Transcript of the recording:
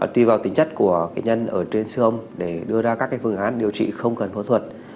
tuy vào tính chất của nhân ở trên xương để đưa ra các phương án điều trị không cần phẫu thuật